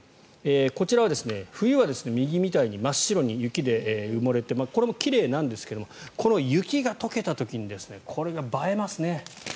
こちらは冬は右みたいに真っ白に雪で埋もれてこれも奇麗なんですがこの雪が解けた時にこれが映えますね。